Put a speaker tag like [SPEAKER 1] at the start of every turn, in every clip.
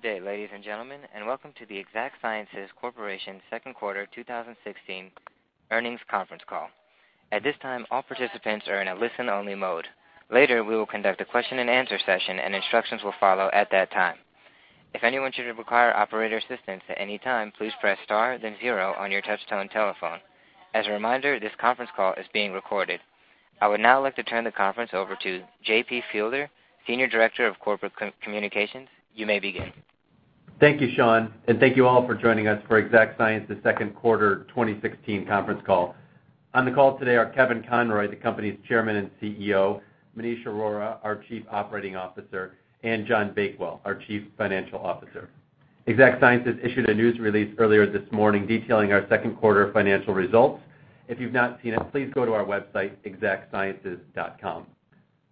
[SPEAKER 1] Good day, ladies and gentlemen, and welcome to the Exact Sciences Corporation second Quarter 2016 earnings conference call. At this time, all participants are in a listen-only mode. Later, we will conduct a question-and-answer session, and instructions will follow at that time. If anyone should require operator assistance at any time, please press star, then zero on your touch-tone telephone. As a reminder, this conference call is being recorded. I would now like to turn the conference over to JP Fielder, Senior Director of Corporate Communications. You may begin.
[SPEAKER 2] Thank you, Sean, and thank you all for joining us for Exact Sciences second quarter 2016 conference call. On the call today are Kevin Conroy, the company's Chairman and CEO; Maneesh Arora, our Chief Operating Officer; and John Bakewell, our Chief Financial Officer. Exact Sciences issued a news release earlier this morning detailing our second quarter financial results. If you've not seen it, please go to our website, exactsciences.com.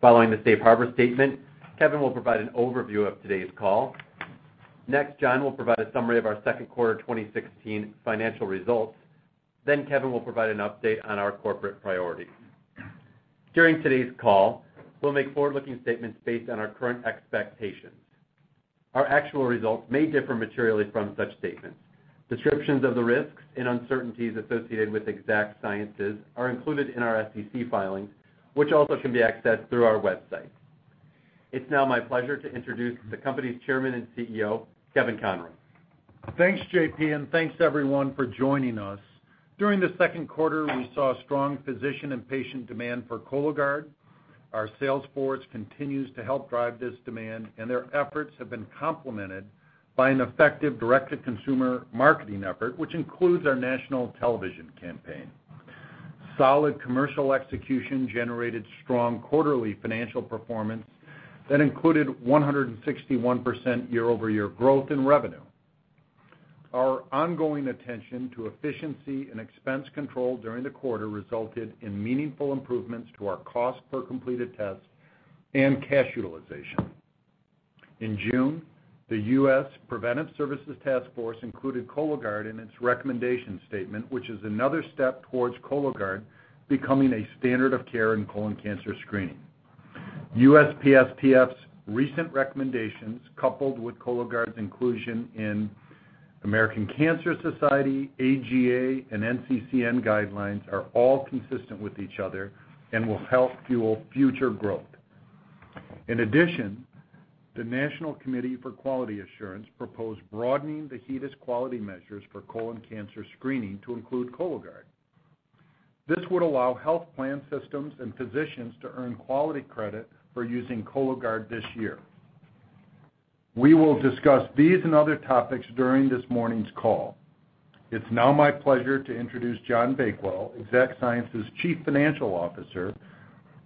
[SPEAKER 2] Following the Safe Harbor Statement, Kevin will provide an overview of today's call. Next, John will provide a summary of our second quarter 2016 financial results. Kevin will provide an update on our corporate priorities. During today's call, we'll make forward-looking statements based on our current expectations. Our actual results may differ materially from such statements. Descriptions of the risks and uncertainties associated with Exact Sciences are included in our SEC filings, which also can be accessed through our website. It's now my pleasure to introduce the company's Chairman and CEO, Kevin Conroy.
[SPEAKER 3] Thanks, JP, and thanks, everyone, for joining us. During the second quarter, we saw strong physician and patient demand for Cologuard. Our sales force continues to help drive this demand, and their efforts have been complemented by an effective direct-to-consumer marketing effort, which includes our national television campaign. Solid commercial execution generated strong quarterly financial performance that included 161% year-over-year growth in revenue. Our ongoing attention to efficiency and expense control during the quarter resulted in meaningful improvements to our cost per completed test and cash utilization. In June, the U.S. Preventive Services Task Force included Cologuard in its recommendation statement, which is another step towards Cologuard becoming a standard of care in colon cancer screening. USPSTF's recent recommendations, coupled with Cologuard's inclusion in American Cancer Society, AGA, and NCCN guidelines, are all consistent with each other and will help fuel future growth. In addition, the National Committee for Quality Assurance proposed broadening the HEDIS quality measures for colon cancer screening to include Cologuard. This would allow health plan systems and physicians to earn quality credit for using Cologuard this year. We will discuss these and other topics during this morning's call. It's now my pleasure to introduce John Bakewell, Exact Sciences' Chief Financial Officer,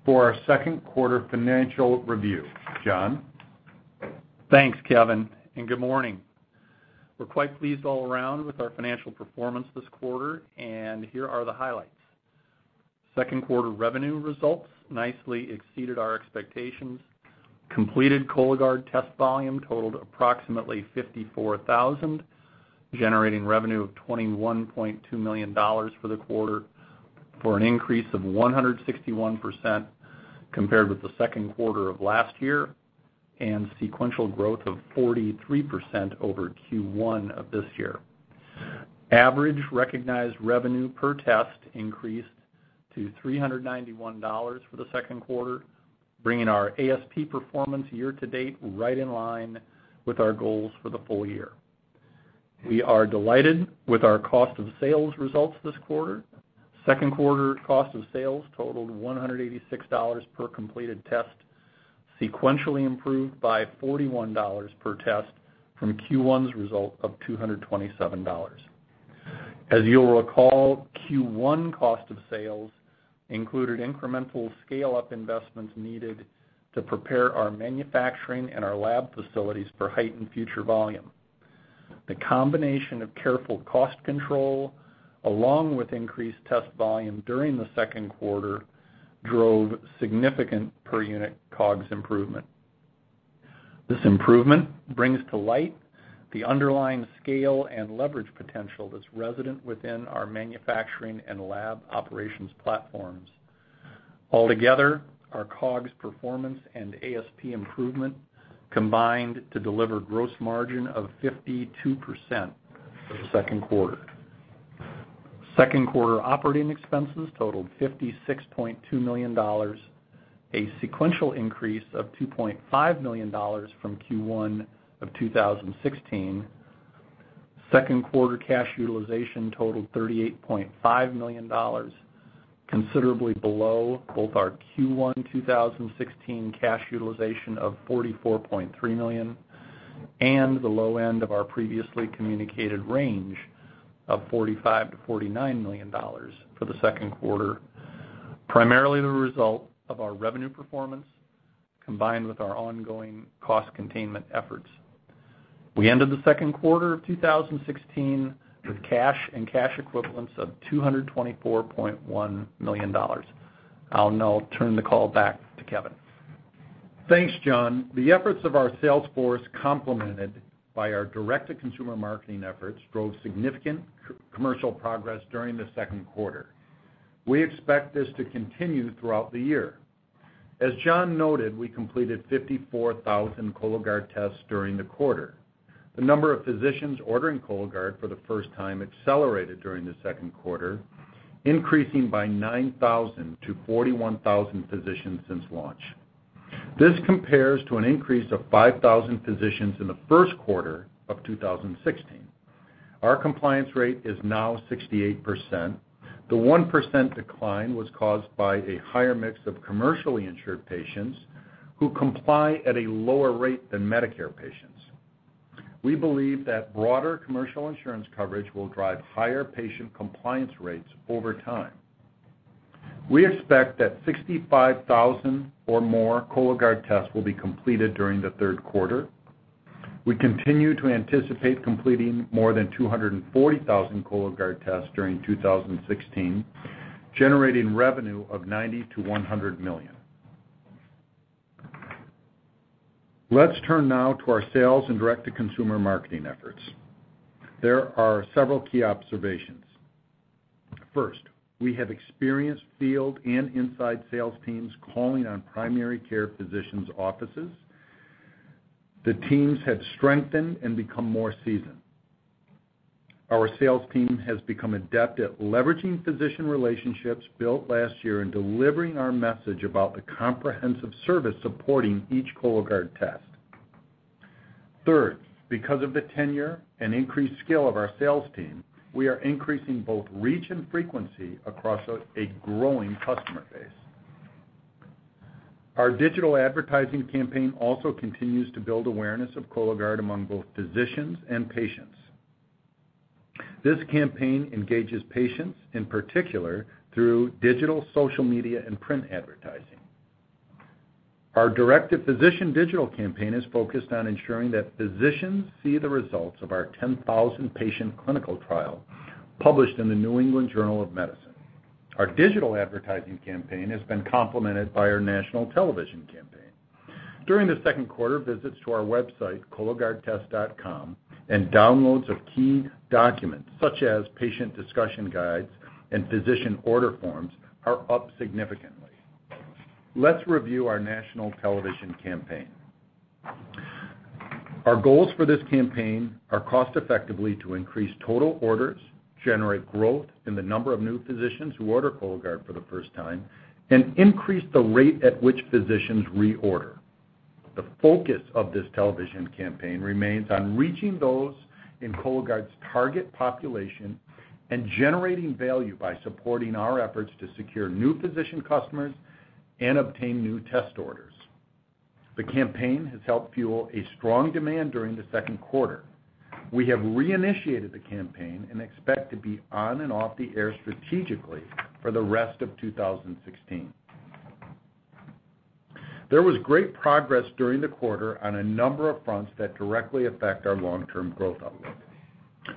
[SPEAKER 3] for our second quarter financial review. John?
[SPEAKER 4] Thanks, Kevin, and good morning. We're quite pleased all around with our financial performance this quarter, and here are the highlights. Second quarter revenue results nicely exceeded our expectations. Completed Cologuard test volume totaled approximately 54,000 generating revenue of $21.2 million for the quarter for an increase of 161% compared with the second quarter of last year and sequential growth of 43% over Q1 of this year. Average recognized revenue per test increased to $391 for the second quarter, bringing our ASP performance year to date right in line with our goals for the full year. We are delighted with our cost of sales results this quarter. Second quarter cost of sales totaled $186 per completed test, sequentially improved by $41 per test from Q1's result of $227. As you'll recall, Q1 cost of sales included incremental scale-up investments needed to prepare our manufacturing and our lab facilities for heightened future volume. The combination of careful cost control, along with increased test volume during the second quarter, drove significant per-unit COGS improvement. This improvement brings to light the underlying scale and leverage potential that's resident within our manufacturing and lab operations platforms. Altogether, our COGS performance and ASP improvement combined to deliver gross margin of 52% for the second quarter. Second quarter operating expenses totaled $56.2 million, a sequential increase of $2.5 million from Q1 of 2016. Second quarter cash utilization totaled $38.5 million, considerably below both our Q1 2016 cash utilization of $44.3 million and the low end of our previously communicated range of $45-$49 million for the second quarter, primarily the result of our revenue performance combined with our ongoing cost containment efforts. We ended the second quarter of 2016 with cash and cash equivalents of $224.1 million. I'll now turn the call back to Kevin.
[SPEAKER 3] Thanks, John. The efforts of our sales force, complemented by our direct-to-consumer marketing efforts, drove significant commercial progress during the second quarter. We expect this to continue throughout the year. As John noted, we completed 54,000 Cologuard tests during the quarter. The number of physicians ordering Cologuard for the first time accelerated during the second quarter, increasing by 9,000 to 41,000 physicians since launch. This compares to an increase of 5,000 physicians in the first quarter of 2016. Our compliance rate is now 68%. The 1% decline was caused by a higher mix of commercially insured patients who comply at a lower rate than Medicare patients. We believe that broader commercial insurance coverage will drive higher patient compliance rates over time. We expect that 65,000 or more Cologuard tests will be completed during the third quarter. We continue to anticipate completing more than 240,000 Cologuard tests during 2016, generating revenue of $90-$100 million. Let's turn now to our sales and direct-to-consumer marketing efforts. There are several key observations. First, we have experienced field and inside sales teams calling on primary care physicians' offices. The teams have strengthened and become more seasoned. Our sales team has become adept at leveraging physician relationships built last year and delivering our message about the comprehensive service supporting each Cologuard test. Third, because of the tenure and increased skill of our sales team, we are increasing both reach and frequency across a growing customer base. Our digital advertising campaign also continues to build awareness of Cologuard among both physicians and patients. This campaign engages patients in particular through digital social media and print advertising. Our direct-to-physician digital campaign is focused on ensuring that physicians see the results of our 10,000-patient clinical trial published in the New England Journal of Medicine. Our digital advertising campaign has been complemented by our national television campaign. During the second quarter, visits to our website, cologuardtest.com, and downloads of key documents such as patient discussion guides and physician order forms are up significantly. Let's review our national television campaign. Our goals for this campaign are cost-effectively to increase total orders, generate growth in the number of new physicians who order Cologuard for the first time, and increase the rate at which physicians reorder. The focus of this television campaign remains on reaching those in Cologuard's target population and generating value by supporting our efforts to secure new physician customers and obtain new test orders. The campaign has helped fuel a strong demand during the second quarter. We have reinitiated the campaign and expect to be on and off the air strategically for the rest of 2016. There was great progress during the quarter on a number of fronts that directly affect our long-term growth outlook.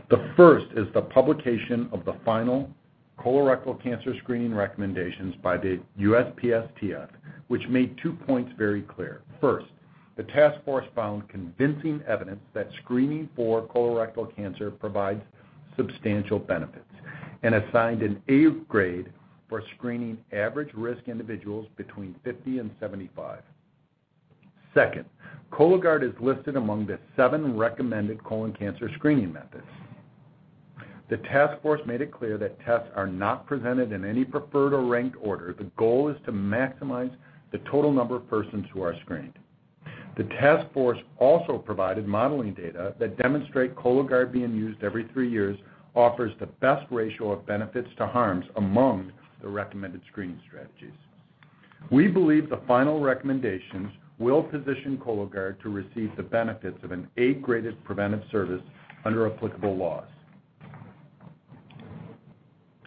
[SPEAKER 3] The first is the publication of the final colorectal cancer screening recommendations by the USPSTF, which made two points very clear. First, the task force found convincing evidence that screening for colorectal cancer provides substantial benefits and assigned an A grade for screening average risk individuals between 50 and 75. Second, Cologuard is listed among the seven recommended colon cancer screening methods. The task force made it clear that tests are not presented in any preferred or ranked order. The goal is to maximize the total number of persons who are screened. The task force also provided modeling data that demonstrate Cologuard being used every three years offers the best ratio of benefits to harms among the recommended screening strategies. We believe the final recommendations will position Cologuard to receive the benefits of an A-rated preventive service under applicable laws.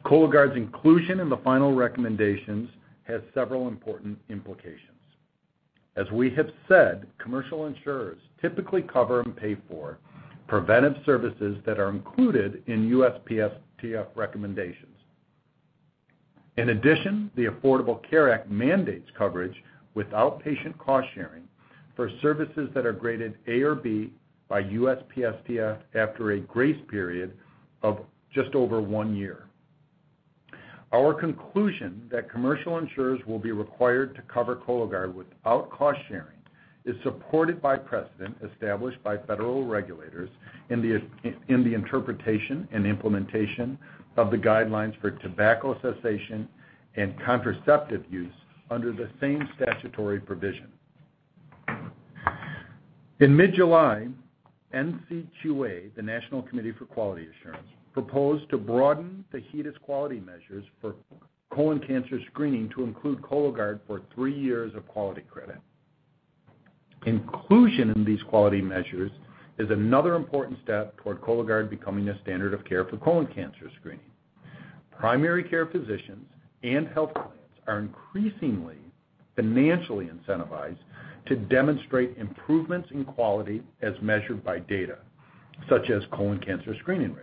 [SPEAKER 3] Cologuard's inclusion in the final recommendations has several important implications. As we have said, commercial insurers typically cover and pay for preventive services that are included in USPSTF recommendations. In addition, the Affordable Care Act mandates coverage with outpatient cost sharing for services that are graded A or B by USPSTF after a grace period of just over one year. Our conclusion that commercial insurers will be required to cover Cologuard without cost sharing is supported by precedent established by federal regulators in the interpretation and implementation of the guidelines for tobacco cessation and contraceptive use under the same statutory provision. In mid-July, NCQA, the National Committee for Quality Assurance, proposed to broaden the HEDIS quality measures for colon cancer screening to include Cologuard for three years of quality credit. Inclusion in these quality measures is another important step toward Cologuard becoming a standard of care for colon cancer screening. Primary care physicians and health plans are increasingly financially incentivized to demonstrate improvements in quality as measured by data, such as colon cancer screening rates.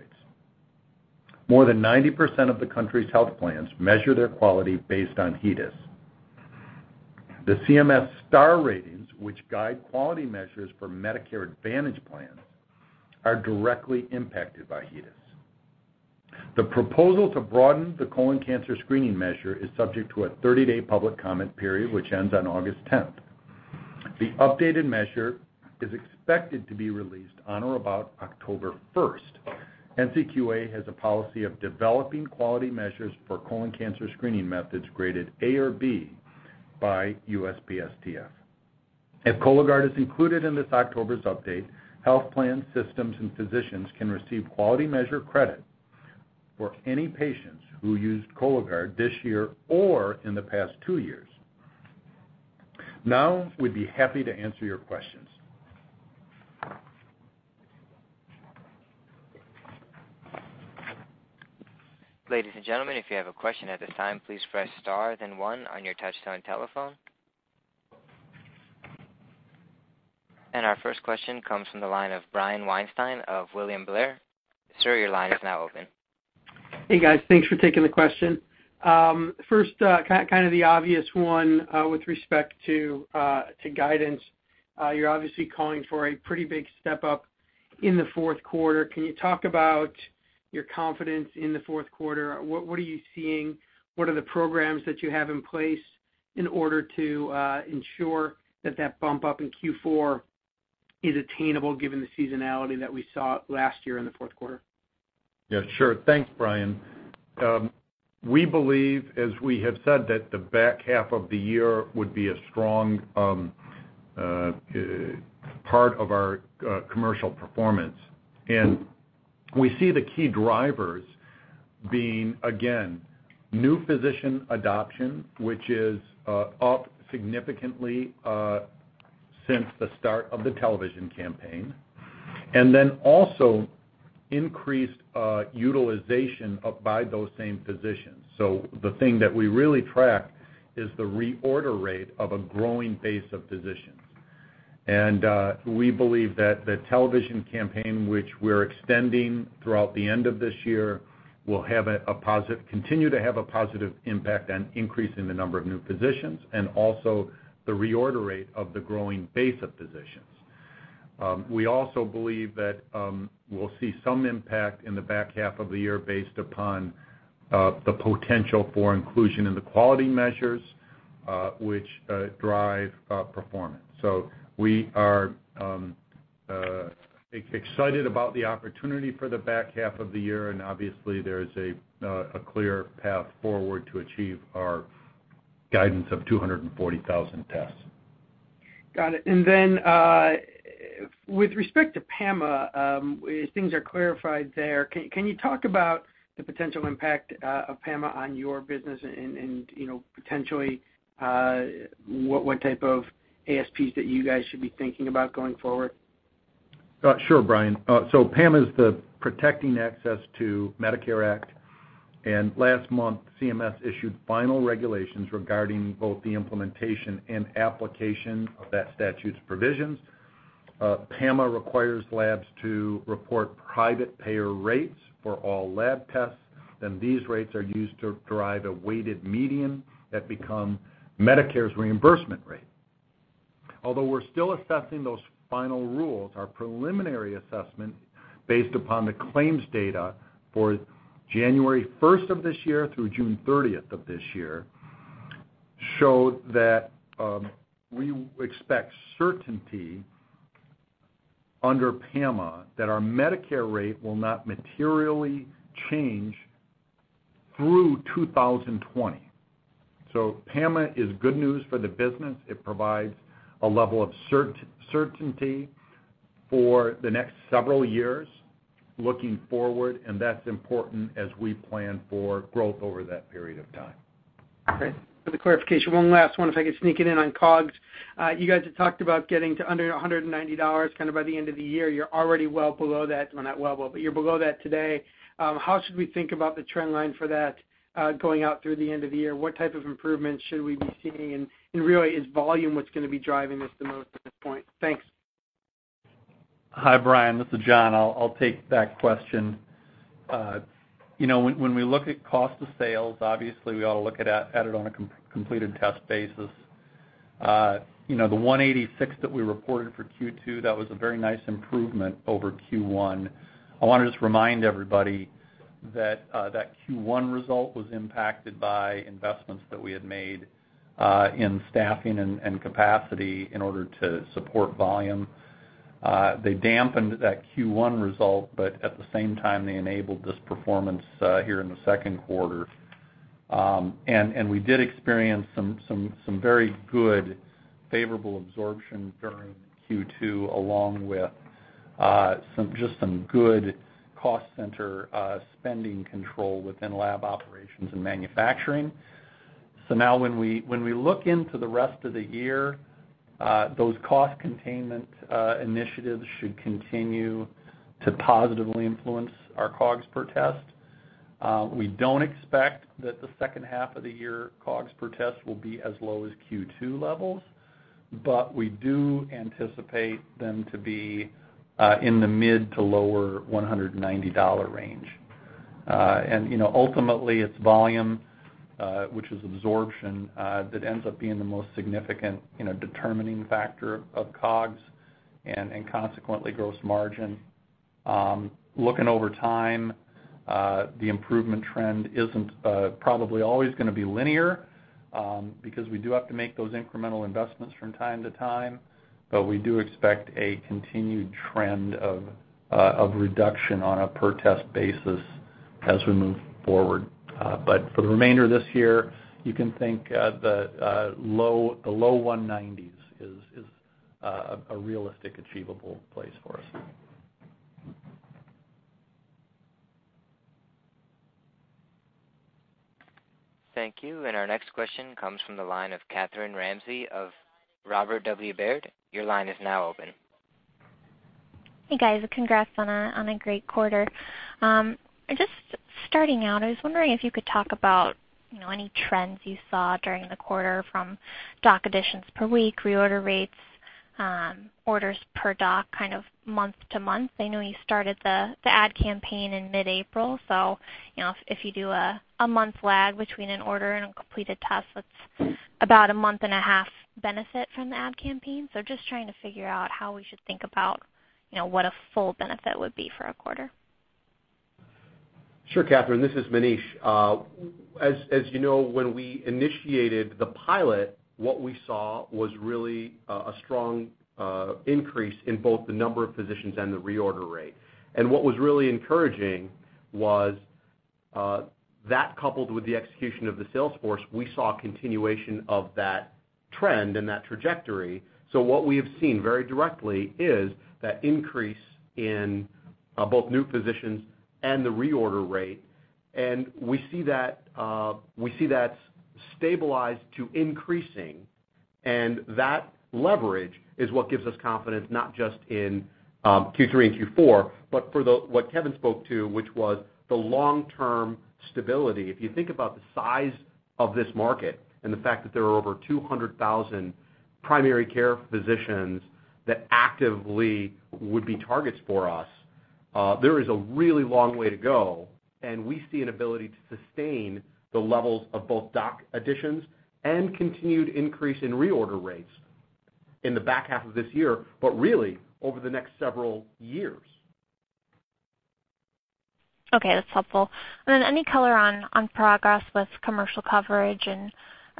[SPEAKER 3] More than 90% of the country's health plans measure their quality based on HEDIS. The CMS STAR ratings, which guide quality measures for Medicare Advantage plans, are directly impacted by HEDIS. The proposal to broaden the colon cancer screening measure is subject to a 30-day public comment period, which ends on August 10th. The updated measure is expected to be released on or about October 1st. NCQA has a policy of developing quality measures for colon cancer screening methods graded A or B by USPSTF. If Cologuard is included in this October's update, health plans, systems, and physicians can receive quality measure credit for any patients who used Cologuard this year or in the past two years. Now, we'd be happy to answer your questions.
[SPEAKER 1] Ladies and gentlemen, if you have a question at this time, please press star then one on your touchstone telephone. Our first question comes from the line of Brian Weinstein of William Blair. Sir, your line is now open.
[SPEAKER 5] Hey, guys. Thanks for taking the question. First, kind of the obvious one with respect to guidance. You're obviously calling for a pretty big step up in the fourth quarter. Can you talk about your confidence in the fourth quarter? What are you seeing? What are the programs that you have in place in order to ensure that that bump up in Q4 is attainable given the seasonality that we saw last year in the fourth quarter?
[SPEAKER 2] Yeah, sure. Thanks, Brian. We believe, as we have said, that the back half of the year would be a strong part of our commercial performance. We see the key drivers being, again, new physician adoption, which is up significantly since the start of the television campaign, and then also increased utilization by those same physicians. The thing that we really track is the reorder rate of a growing base of physicians. We believe that the television campaign, which we're extending throughout the end of this year, will continue to have a positive impact on increasing the number of new physicians and also the reorder rate of the growing base of physicians. We also believe that we'll see some impact in the back half of the year based upon the potential for inclusion in the quality measures, which drive performance. We are excited about the opportunity for the back half of the year. Obviously, there is a clear path forward to achieve our guidance of 240,000 tests.
[SPEAKER 5] Got it. With respect to PAMA, as things are clarified there, can you talk about the potential impact of PAMA on your business and potentially what type of ASPs that you guys should be thinking about going forward?
[SPEAKER 2] Sure, Brian. PAMA is the Protecting Access to Medicare Act. Last month, CMS issued final regulations regarding both the implementation and application of that statute's provisions. PAMA requires labs to report private payer rates for all lab tests. These rates are used to derive a weighted median that becomes Medicare's reimbursement rate. Although we're still assessing those final rules, our preliminary assessment based upon the claims data for January 1 of this year through June 30 of this year showed that we expect certainty under PAMA that our Medicare rate will not materially change through 2020. PAMA is good news for the business. It provides a level of certainty for the next several years looking forward. That's important as we plan for growth over that period of time.
[SPEAKER 5] Great. For the clarification, one last one, if I could sneak it in on COGS. You guys had talked about getting to under $190 kind of by the end of the year. You're already below that. Not well below, but you're below that today. How should we think about the trend line for that going out through the end of the year? What type of improvements should we be seeing? Is volume what's going to be driving this the most at this point? Thanks.
[SPEAKER 4] Hi, Brian. This is John. I'll take that question. When we look at cost of sales, obviously, we ought to look at it on a completed test basis. The $186 that we reported for Q2, that was a very nice improvement over Q1. I want to just remind everybody that that Q1 result was impacted by investments that we had made in staffing and capacity in order to support volume. They dampened that Q1 result, but at the same time, they enabled this performance here in the second quarter. We did experience some very good favorable absorption during Q2, along with just some good cost center spending control within lab operations and manufacturing. Now, when we look into the rest of the year, those cost containment initiatives should continue to positively influence our COGS per test. We do not expect that the second half of the year COGS per test will be as low as Q2 levels, but we do anticipate them to be in the mid to lower $190 range. Ultimately, it is volume, which is absorption, that ends up being the most significant determining factor of COGS and consequently gross margin. Looking over time, the improvement trend is not probably always going to be linear because we do have to make those incremental investments from time to time, but we do expect a continued trend of reduction on a per-test basis as we move forward. For the remainder of this year, you can think the low $190s is a realistic achievable place for us.
[SPEAKER 1] Thank you. Our next question comes from the line of Katherine Ramsey of Robert W. Baird. Your line is now open.
[SPEAKER 6] Hey, guys. Congrats on a great quarter. Just starting out, I was wondering if you could talk about any trends you saw during the quarter from doc additions per week, reorder rates, orders per doc kind of month to month. I know you started the ad campaign in mid-April. If you do a month lag between an order and a completed test, that's about a month and a half benefit from the ad campaign. Just trying to figure out how we should think about what a full benefit would be for a quarter.
[SPEAKER 7] Sure, Katherine. This is Maneesh. As you know, when we initiated the pilot, what we saw was really a strong increase in both the number of physicians and the reorder rate. What was really encouraging was that, coupled with the execution of the salesforce, we saw continuation of that trend and that trajectory. What we have seen very directly is that increase in both new physicians and the reorder rate. We see that stabilized to increasing. That leverage is what gives us confidence, not just in Q3 and Q4, but for what Kevin spoke to, which was the long-term stability. If you think about the size of this market and the fact that there are over 200,000 primary care physicians that actively would be targets for us, there is a really long way to go. We see an ability to sustain the levels of both dock additions and continued increase in reorder rates in the back half of this year, but really over the next several years.
[SPEAKER 6] Okay. That's helpful. Any color on progress with commercial coverage?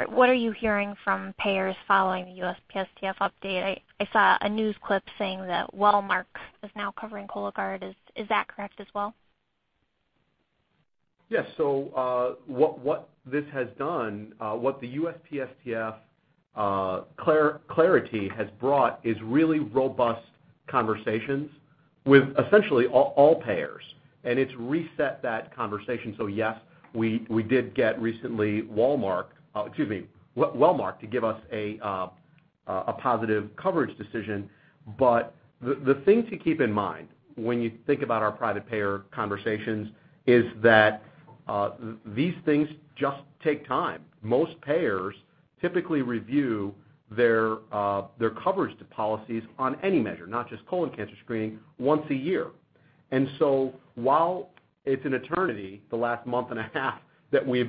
[SPEAKER 6] What are you hearing from payers following the USPSTF update? I saw a news clip saying that Walmart is now covering Cologuard. Is that correct as well?
[SPEAKER 7] Yes. What this has done, what the USPSTF clarity has brought is really robust conversations with essentially all payers. It has reset that conversation. Yes, we did get recently Walmart—excuse me—Walmart to give us a positive coverage decision. The thing to keep in mind when you think about our private payer conversations is that these things just take time. Most payers typically review their coverage policies on any measure, not just colon cancer screening, once a year. While it feels like an eternity, the last month and a half that we have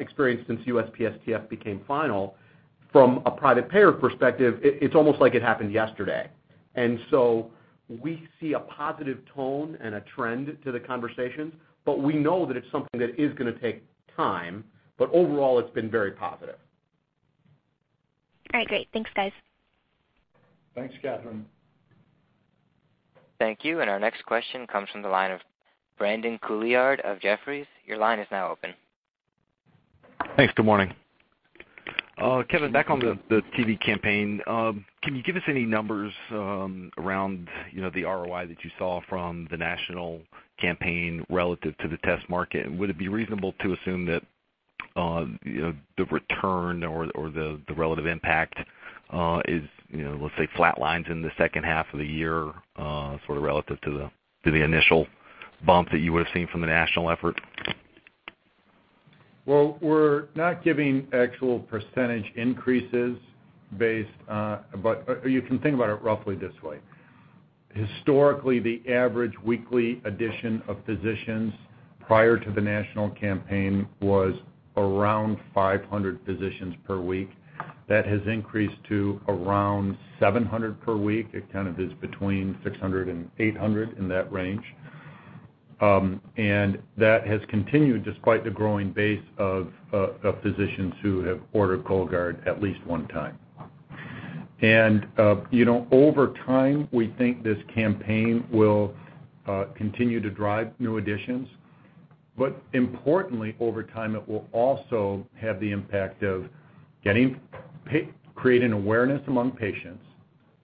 [SPEAKER 7] experienced since USPSTF became final, from a private payer perspective, it is almost like it happened yesterday. We see a positive tone and a trend to the conversations, but we know that it is something that is going to take time. Overall, it has been very positive.
[SPEAKER 6] All right. Great. Thanks, guys.
[SPEAKER 7] Thanks, Katherine.
[SPEAKER 1] Thank you. Our next question comes from the line of Brandon Couillard of Jefferies. Your line is now open.
[SPEAKER 8] Thanks. Good morning. Kevin, back on the TV campaign, can you give us any numbers around the ROI that you saw from the national campaign relative to the test market? Would it be reasonable to assume that the return or the relative impact is, let's say, flat lines in the second half of the year sort of relative to the initial bump that you would have seen from the national effort?
[SPEAKER 2] We're not giving actual percentage increases, but you can think about it roughly this way. Historically, the average weekly addition of physicians prior to the national campaign was around 500 physicians per week. That has increased to around 700 per week. It kind of is between 600-800 in that range. That has continued despite the growing base of physicians who have ordered Cologuard at least one time. Over time, we think this campaign will continue to drive new additions. Importantly, over time, it will also have the impact of creating awareness among patients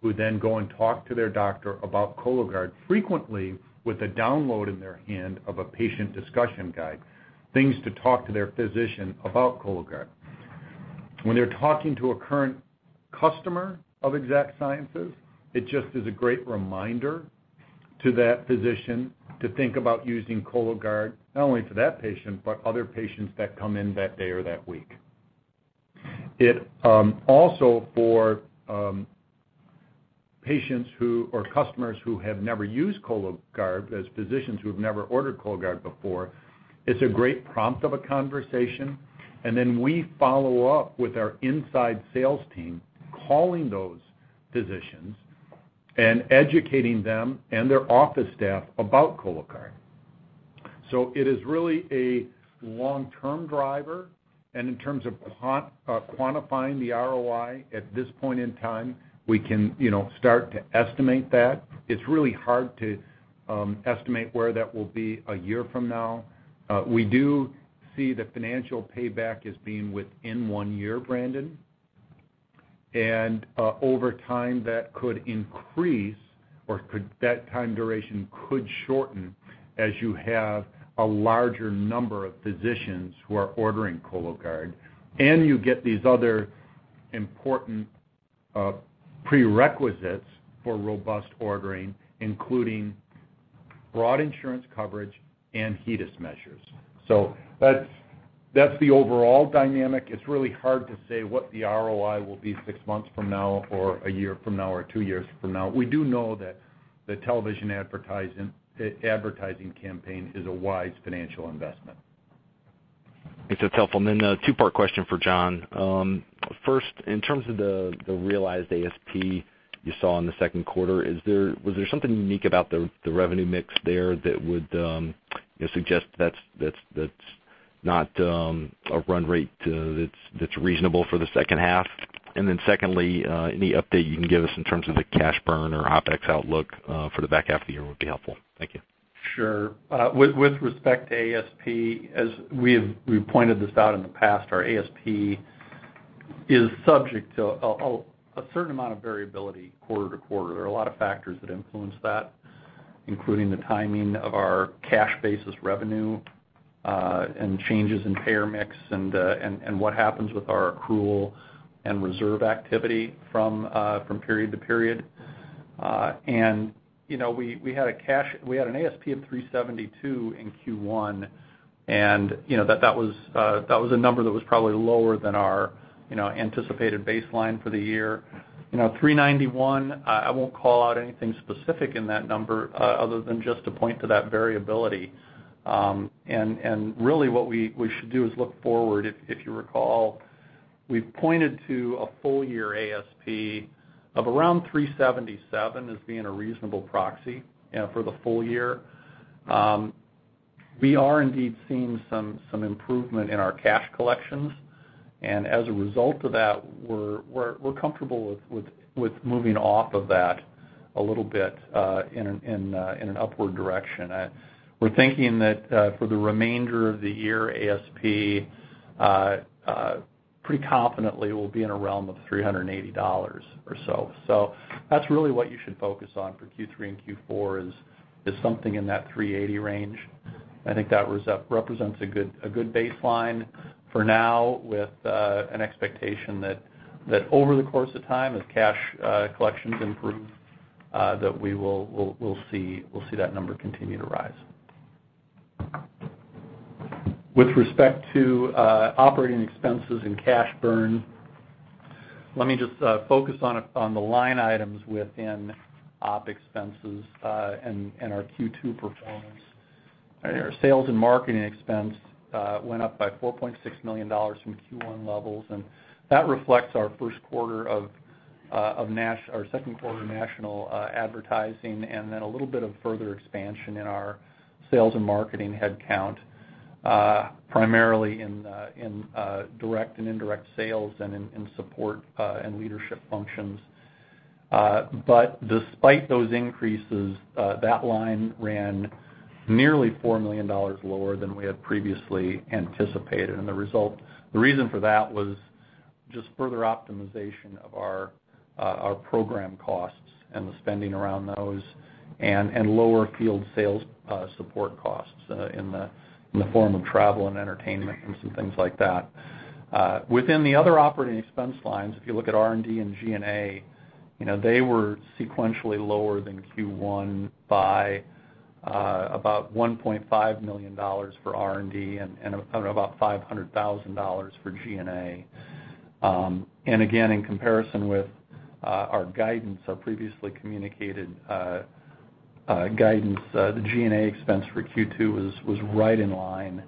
[SPEAKER 2] who then go and talk to their doctor about Cologuard frequently with a download in their hand of a patient discussion guide, things to talk to their physician about Cologuard. When they're talking to a current customer of Exact Sciences, it just is a great reminder to that physician to think about using Cologuard not only for that patient, but other patients that come in that day or that week. Also, for patients or customers who have never used Cologuard, as physicians who have never ordered Cologuard before, it's a great prompt of a conversation. We follow up with our inside sales team calling those physicians and educating them and their office staff about Cologuard. It is really a long-term driver. In terms of quantifying the ROI at this point in time, we can start to estimate that. It's really hard to estimate where that will be a year from now. We do see the financial payback as being within one year, Brandon. Over time, that could increase or that time duration could shorten as you have a larger number of physicians who are ordering Cologuard. You get these other important prerequisites for robust ordering, including broad insurance coverage and HEDIS measures. That is the overall dynamic. It is really hard to say what the ROI will be six months from now or a year from now or two years from now. We do know that the television advertising campaign is a wise financial investment.
[SPEAKER 8] It's helpful. Then a two-part question for John. First, in terms of the realized ASP you saw in the second quarter, was there something unique about the revenue mix there that would suggest that's not a run rate that's reasonable for the second half? Then secondly, any update you can give us in terms of the cash burn or OpEx outlook for the back half of the year would be helpful. Thank you.
[SPEAKER 4] Sure. With respect to ASP, as we've pointed this out in the past, our ASP is subject to a certain amount of variability quarter to quarter. There are a lot of factors that influence that, including the timing of our cash basis revenue and changes in payer mix and what happens with our accrual and reserve activity from period to period. We had an ASP of $372 in Q1. That was a number that was probably lower than our anticipated baseline for the year. $391, I won't call out anything specific in that number other than just to point to that variability. Really, what we should do is look forward. If you recall, we've pointed to a full-year ASP of around $377 as being a reasonable proxy for the full year. We are indeed seeing some improvement in our cash collections. As a result of that, we're comfortable with moving off of that a little bit in an upward direction. We're thinking that for the remainder of the year, ASP pretty confidently will be in a realm of $380 or so. That is really what you should focus on for Q3 and Q4 is something in that $380 range. I think that represents a good baseline for now with an expectation that over the course of time, as cash collections improve, we will see that number continue to rise. With respect to operating expenses and cash burn, let me just focus on the line items within op expenses and our Q2 performance. Our sales and marketing expense went up by $4.6 million from Q1 levels. That reflects our first quarter of our second quarter national advertising and then a little bit of further expansion in our sales and marketing headcount, primarily in direct and indirect sales and in support and leadership functions. Despite those increases, that line ran nearly $4 million lower than we had previously anticipated. The reason for that was just further optimization of our program costs and the spending around those and lower field sales support costs in the form of travel and entertainment and some things like that. Within the other operating expense lines, if you look at R&D and G&A, they were sequentially lower than Q1 by about $1.5 million for R&D and about $500,000 for G&A. Again, in comparison with our previously communicated guidance, the G&A expense for Q2 was right in line.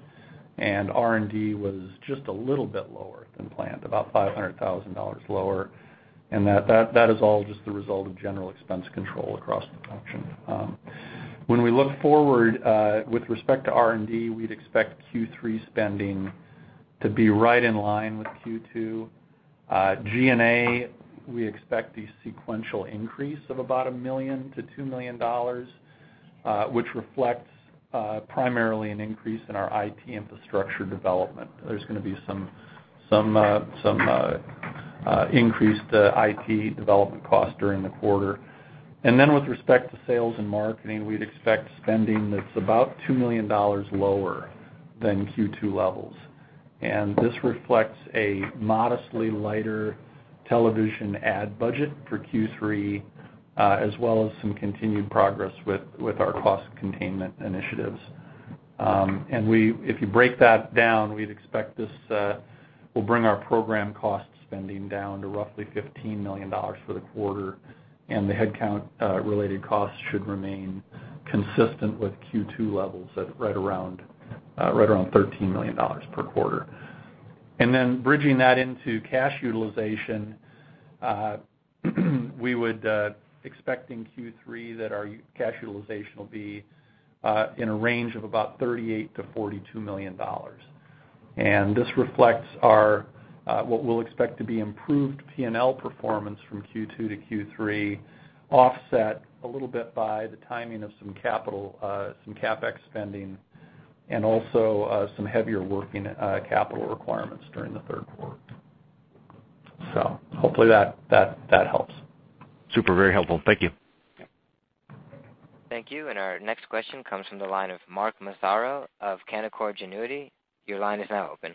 [SPEAKER 4] R&D was just a little bit lower than planned, about $500,000 lower. That is all just the result of general expense control across the function. When we look forward with respect to R&D, we'd expect Q3 spending to be right in line with Q2. G&A, we expect a sequential increase of about $1 million-$2 million, which reflects primarily an increase in our IT infrastructure development. There is going to be some increased IT development costs during the quarter. With respect to sales and marketing, we'd expect spending that is about $2 million lower than Q2 levels. This reflects a modestly lighter television ad budget for Q3, as well as some continued progress with our cost containment initiatives. If you break that down, we'd expect this will bring our program cost spending down to roughly $15 million for the quarter. The headcount-related costs should remain consistent with Q2 levels at right around $13 million per quarter. Then bridging that into cash utilization, we would expect in Q3 that our cash utilization will be in a range of about $38-$42 million. This reflects what we'll expect to be improved P&L performance from Q2 to Q3, offset a little bit by the timing of some CapEx spending and also some heavier working capital requirements during the third quarter. Hopefully that helps.
[SPEAKER 8] Super. Very helpful. Thank you.
[SPEAKER 1] Thank you. Our next question comes from the line of Mark Massaro of Canaccord Genuity. Your line is now open.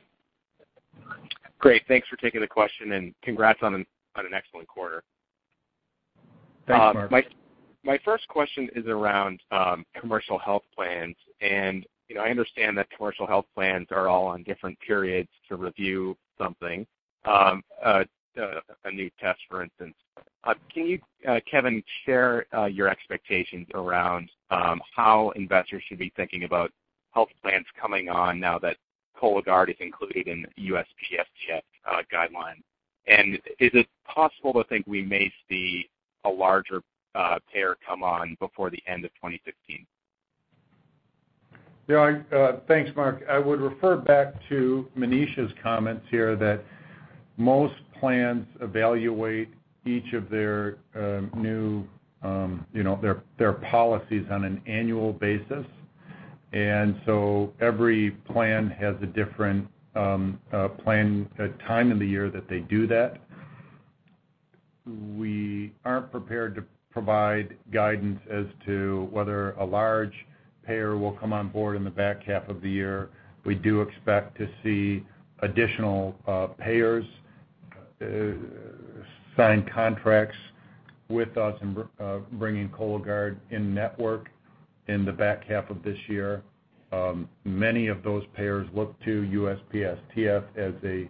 [SPEAKER 9] Great. Thanks for taking the question. Congrats on an excellent quarter.
[SPEAKER 2] Thanks, Mark.
[SPEAKER 9] My first question is around commercial health plans. I understand that commercial health plans are all on different periods to review something, a new test, for instance. Can you, Kevin, share your expectations around how investors should be thinking about health plans coming on now that Cologuard is included in the USPSTF guidelines? Is it possible to think we may see a larger payer come on before the end of 2016?
[SPEAKER 2] Yeah. Thanks, Mark. I would refer back to Maneesh's comments here that most plans evaluate each of their policies on an annual basis. Every plan has a different plan time in the year that they do that. We aren't prepared to provide guidance as to whether a large payer will come on board in the back half of the year. We do expect to see additional payers sign contracts with us and bringing Cologuard in network in the back half of this year. Many of those payers look to USPSTF as a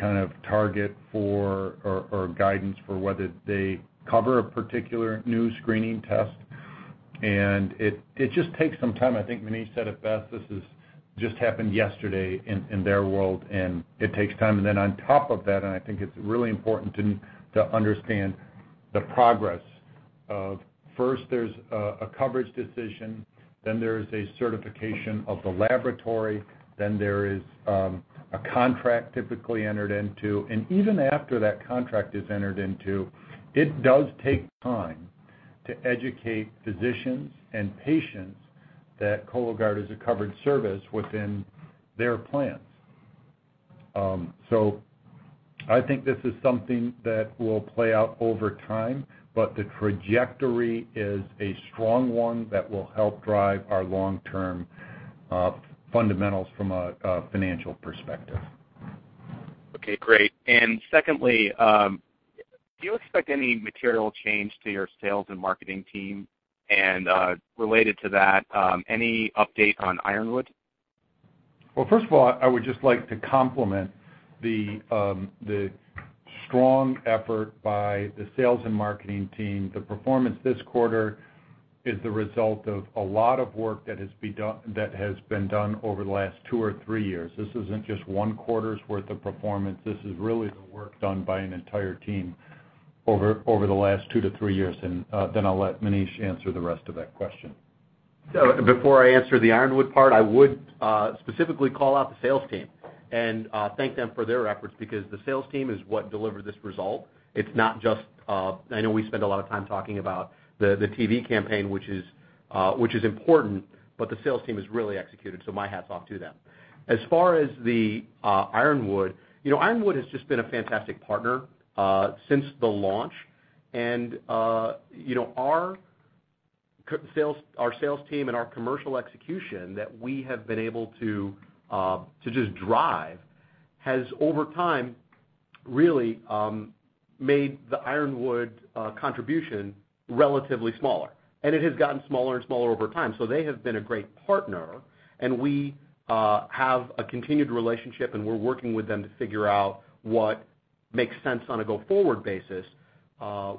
[SPEAKER 2] kind of target or guidance for whether they cover a particular new screening test. It just takes some time. I think Maneesh said it best. This just happened yesterday in their world. It takes time. Then on top of that, and I think it's really important to understand the progress of first, there's a coverage decision. Then there is a certification of the laboratory. Then there is a contract typically entered into. Even after that contract is entered into, it does take time to educate physicians and patients that Cologuard is a covered service within their plans. I think this is something that will play out over time. The trajectory is a strong one that will help drive our long-term fundamentals from a financial perspective.
[SPEAKER 9] Okay. Great. Secondly, do you expect any material change to your sales and marketing team? Related to that, any update on Ironwood?
[SPEAKER 2] First of all, I would just like to compliment the strong effort by the sales and marketing team. The performance this quarter is the result of a lot of work that has been done over the last two or three years. This is not just one quarter's worth of performance. This is really the work done by an entire team over the last two to three years. I will let Maneesh answer the rest of that question.
[SPEAKER 7] Before I answer the Ironwood part, I would specifically call out the sales team and thank them for their efforts because the sales team is what delivered this result. It's not just I know we spend a lot of time talking about the TV campaign, which is important, but the sales team has really executed. So my hats off to them. As far as the Ironwood, Ironwood has just been a fantastic partner since the launch. And our sales team and our commercial execution that we have been able to just drive has, over time, really made the Ironwood contribution relatively smaller. And it has gotten smaller and smaller over time. So they have been a great partner. And we have a continued relationship. We are working with them to figure out what makes sense on a go-forward basis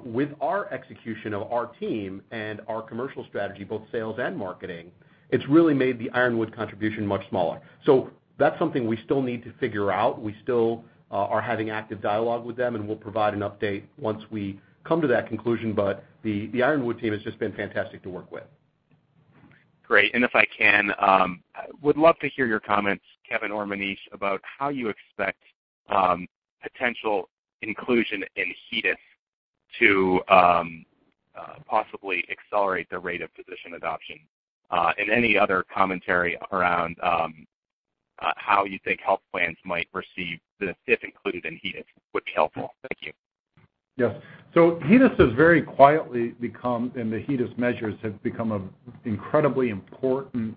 [SPEAKER 7] with our execution of our team and our commercial strategy, both sales and marketing. It has really made the Ironwood contribution much smaller. That is something we still need to figure out. We still are having active dialogue with them. We will provide an update once we come to that conclusion. The Ironwood team has just been fantastic to work with.
[SPEAKER 9] Great. If I can, I would love to hear your comments, Kevin or Maneesh, about how you expect potential inclusion in HEDIS to possibly accelerate the rate of physician adoption. Any other commentary around how you think health plans might receive the inclusion in HEDIS would be helpful. Thank you.
[SPEAKER 7] Yes. HEDIS has very quietly become, and the HEDIS measures have become, an incredibly important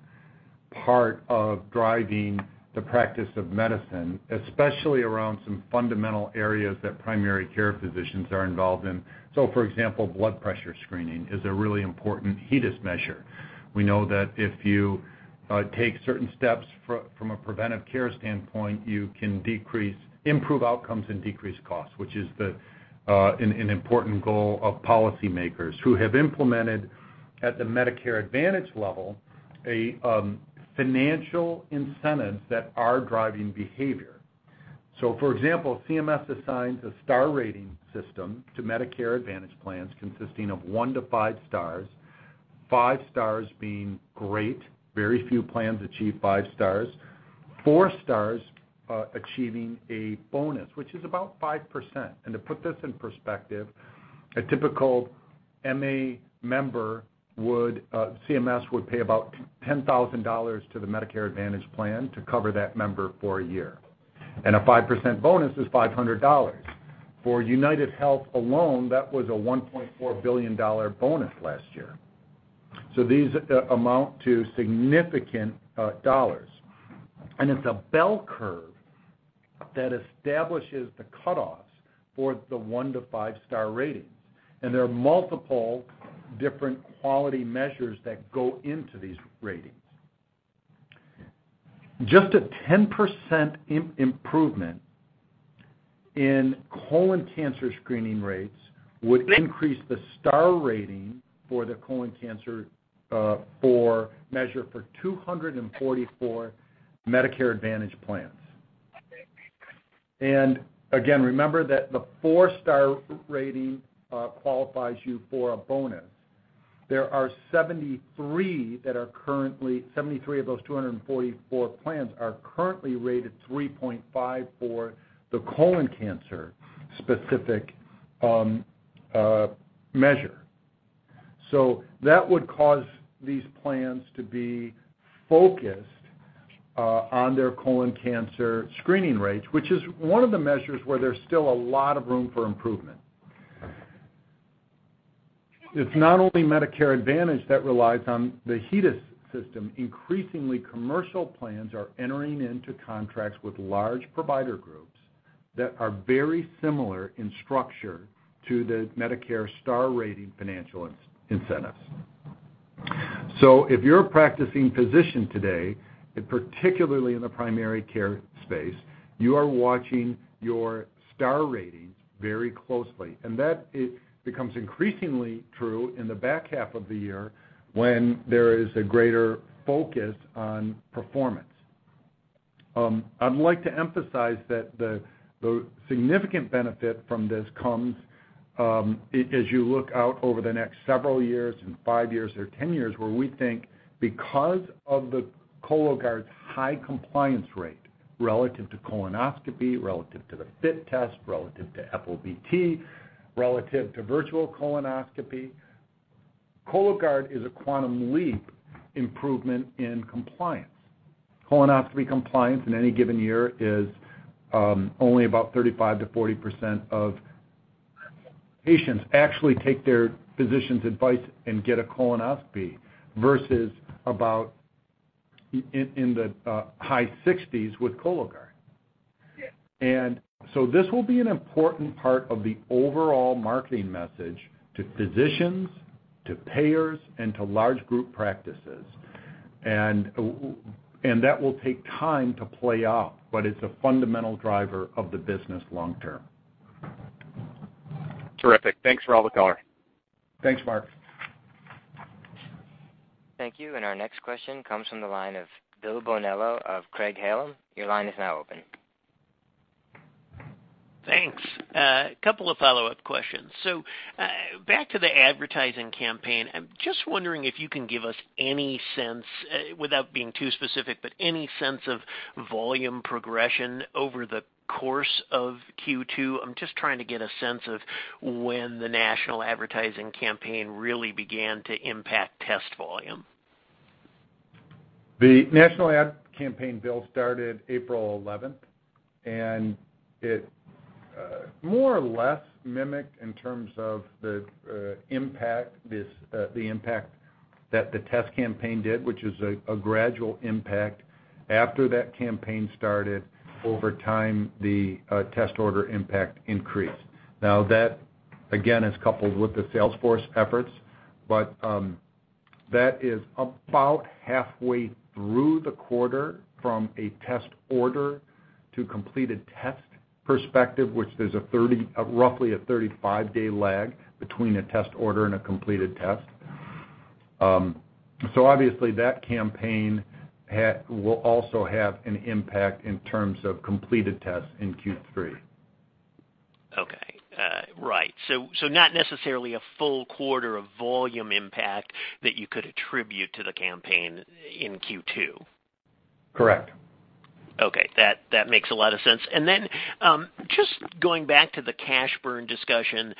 [SPEAKER 7] part of driving the practice of medicine, especially around some fundamental areas that primary care physicians are involved in. For example, blood pressure screening is a really important HEDIS measure. We know that if you take certain steps from a preventive care standpoint, you can improve outcomes and decrease costs, which is an important goal of policymakers who have implemented at the Medicare Advantage level a financial incentive that is driving behavior. For example, CMS assigns a star rating system to Medicare Advantage plans consisting of one to five stars, five stars being great, very few plans achieve five stars, four stars achieving a bonus, which is about 5%. To put this in perspective, a typical MA member would CMS would pay about $10,000 to the Medicare Advantage plan to cover that member for a year. A 5% bonus is $500. For UnitedHealth alone, that was a $1.4 billion bonus last year. These amount to significant dollars. It is a bell curve that establishes the cutoffs for the one to five-star ratings. There are multiple different quality measures that go into these ratings. Just a 10% improvement in colon cancer screening rates would increase the star rating for the colon cancer measure for 244 Medicare Advantage plans. Again, remember that the four-star rating qualifies you for a bonus. There are 73 of those 244 plans that are currently rated 3.5 for the colon cancer-specific measure. That would cause these plans to be focused on their colon cancer screening rates, which is one of the measures where there's still a lot of room for improvement. It's not only Medicare Advantage that relies on the HEDIS system. Increasingly, commercial plans are entering into contracts with large provider groups that are very similar in structure to the Medicare star rating financial incentives. If you're a practicing physician today, particularly in the primary care space, you are watching your star ratings very closely. That becomes increasingly true in the back half of the year when there is a greater focus on performance. I'd like to emphasize that the significant benefit from this comes as you look out over the next several years and five years or ten years where we think because of Cologuard's high compliance rate relative to colonoscopy, relative to the FIT Test, relative to Epi proColon, relative to virtual colonoscopy, Cologuard is a quantum leap improvement in compliance. Colonoscopy compliance in any given year is only about 35-40% of patients actually take their physician's advice and get a colonoscopy versus about in the high 60s with Cologuard. This will be an important part of the overall marketing message to physicians, to payers, and to large group practices. That will take time to play out. It is a fundamental driver of the business long-term.
[SPEAKER 5] Terrific. Thanks, Robert W. Baird.
[SPEAKER 2] Thanks, Mark.
[SPEAKER 1] Thank you. Our next question comes from the line of Bill Bonello of Craig-Hallum. Your line is now open.
[SPEAKER 10] Thanks. A couple of follow-up questions. Back to the advertising campaign, I'm just wondering if you can give us any sense without being too specific, but any sense of volume progression over the course of Q2. I'm just trying to get a sense of when the national advertising campaign really began to impact test volume.
[SPEAKER 2] The national ad campaign bill started April 11th. It more or less mimicked in terms of the impact that the test campaign did, which is a gradual impact. After that campaign started, over time, the test order impact increased. Now, that again is coupled with the Salesforce efforts. That is about halfway through the quarter from a test order to completed test perspective, which there's roughly a 35-day lag between a test order and a completed test. Obviously, that campaign will also have an impact in terms of completed tests in Q3.
[SPEAKER 10] Okay. Right. So not necessarily a full quarter of volume impact that you could attribute to the campaign in Q2.
[SPEAKER 2] Correct.
[SPEAKER 10] Okay. That makes a lot of sense. And then just going back to the cash burn discussion,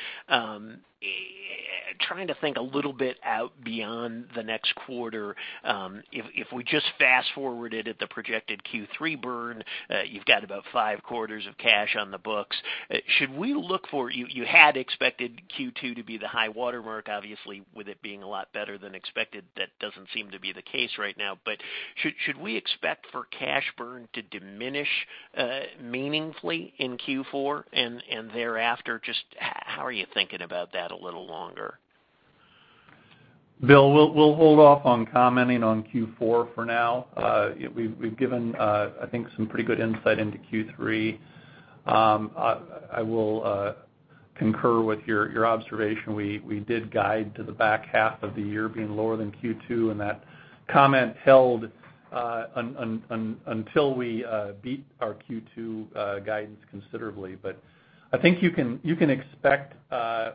[SPEAKER 10] trying to think a little bit out beyond the next quarter, if we just fast-forwarded at the projected Q3 burn, you've got about five quarters of cash on the books. Should we look for you had expected Q2 to be the high watermark, obviously, with it being a lot better than expected. That doesn't seem to be the case right now. But should we expect for cash burn to diminish meaningfully in Q4 and thereafter? Just how are you thinking about that a little longer?
[SPEAKER 2] Bill, we'll hold off on commenting on Q4 for now. We've given, I think, some pretty good insight into Q3. I will concur with your observation. We did guide to the back half of the year being lower than Q2. That comment held until we beat our Q2 guidance considerably. I think you can expect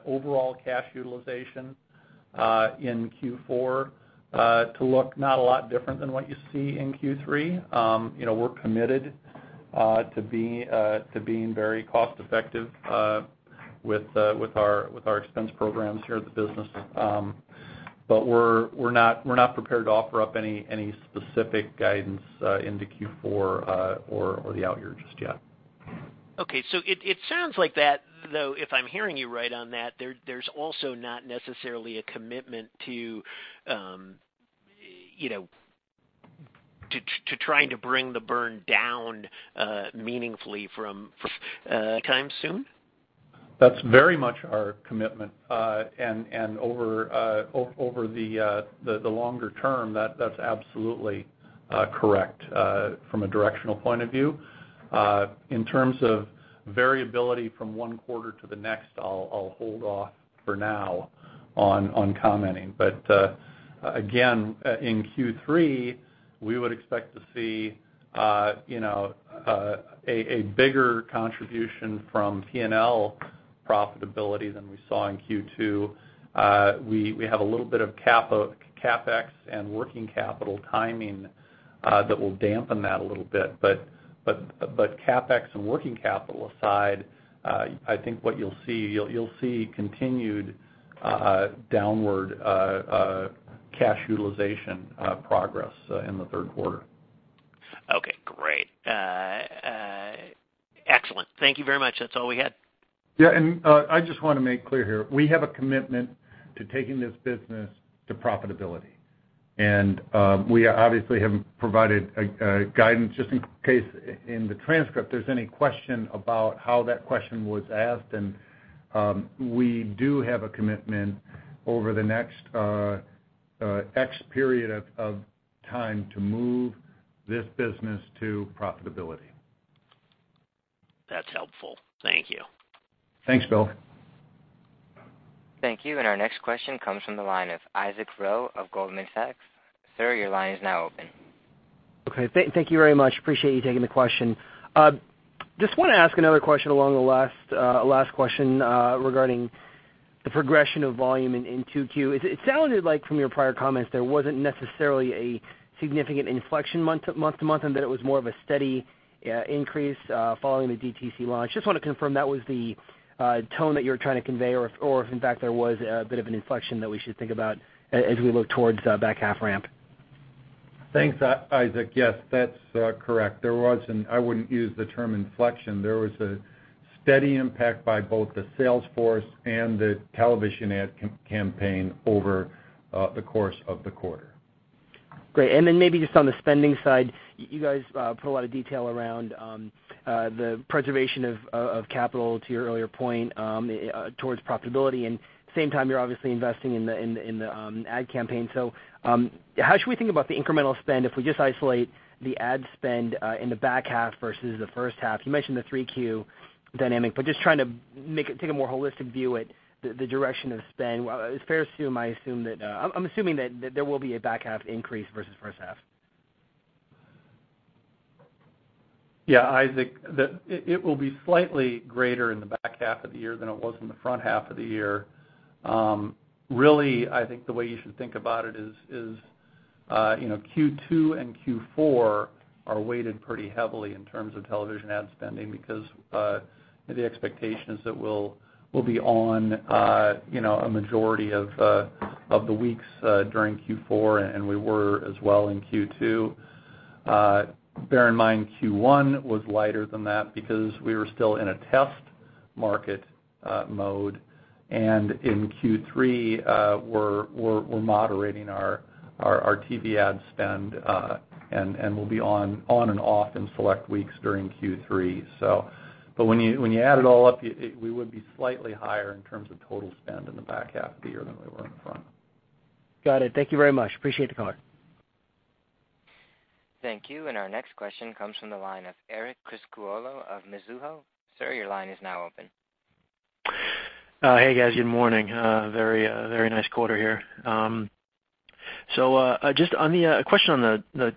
[SPEAKER 2] overall cash utilization in Q4 to look not a lot different than what you see in Q3. We're committed to being very cost-effective with our expense programs here at the business. We're not prepared to offer up any specific guidance into Q4 or the out year just yet.
[SPEAKER 10] Okay. So it sounds like that, though, if I'm hearing you right on that, there's also not necessarily a commitment to trying to bring the burn down meaningfully from time soon.
[SPEAKER 2] That's very much our commitment. Over the longer term, that's absolutely correct from a directional point of view. In terms of variability from one quarter to the next, I'll hold off for now on commenting. Again, in Q3, we would expect to see a bigger contribution from P&L profitability than we saw in Q2. We have a little bit of CapEx and working capital timing that will dampen that a little bit. CapEx and working capital aside, I think what you'll see, you'll see continued downward cash utilization progress in the third quarter.
[SPEAKER 10] Okay. Great. Excellent. Thank you very much. That's all we had.
[SPEAKER 2] Yeah. I just want to make clear here, we have a commitment to taking this business to profitability. We obviously have provided guidance just in case in the transcript, there's any question about how that question was asked. We do have a commitment over the next X period of time to move this business to profitability.
[SPEAKER 10] That's helpful. Thank you.
[SPEAKER 2] Thanks, Bill.
[SPEAKER 1] Thank you. Our next question comes from the line of Isaac Rowe of Goldman Sachs. Sir, your line is now open.
[SPEAKER 11] Okay. Thank you very much. Appreciate you taking the question. Just want to ask another question along the last question regarding the progression of volume in Q2. It sounded like from your prior comments there was not necessarily a significant inflection month to month and that it was more of a steady increase following the DTC launch. Just want to confirm that was the tone that you were trying to convey or if, in fact, there was a bit of an inflection that we should think about as we look towards back half ramp.
[SPEAKER 2] Thanks, Isaac. Yes, that's correct. There was an, I wouldn't use the term inflection, there was a steady impact by both the Salesforce and the television ad campaign over the course of the quarter.
[SPEAKER 11] Great. Maybe just on the spending side, you guys put a lot of detail around the preservation of capital to your earlier point towards profitability. At the same time, you're obviously investing in the ad campaign. How should we think about the incremental spend if we just isolate the ad spend in the back half versus the first half? You mentioned the 3Q dynamic. Just trying to take a more holistic view at the direction of spend, is it fair to assume, I assume, that there will be a back half increase versus first half.
[SPEAKER 2] Yeah, Isaac, it will be slightly greater in the back half of the year than it was in the front half of the year. Really, I think the way you should think about it is Q2 and Q4 are weighted pretty heavily in terms of television ad spending because the expectation is that we'll be on a majority of the weeks during Q4 and we were as well in Q2. Bear in mind, Q1 was lighter than that because we were still in a test market mode. In Q3, we're moderating our TV ad spend and we'll be on and off in select weeks during Q3. When you add it all up, we would be slightly higher in terms of total spend in the back half of the year than we were in the front.
[SPEAKER 11] Got it. Thank you very much. Appreciate the call.
[SPEAKER 12] Thank you. Our next question comes from the line of Eric Criscuolo of Mizuho. Sir, your line is now open.
[SPEAKER 13] Hey, guys. Good morning. Very, very nice quarter here. Just a question on the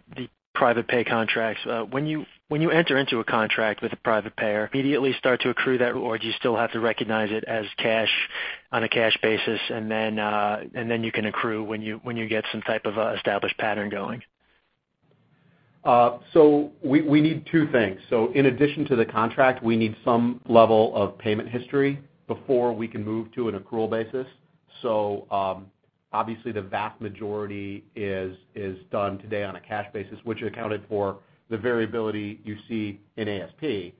[SPEAKER 13] private pay contracts. When you enter into a contract with a private payer, do you immediately start to accrue that, or do you still have to recognize it as cash on a cash basis, and then you can accrue when you get some type of established pattern going?
[SPEAKER 2] We need two things. In addition to the contract, we need some level of payment history before we can move to an accrual basis. Obviously, the vast majority is done today on a cash basis, which accounted for the variability you see in ASP.